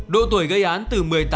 độ tuổi gây án từ một mươi tám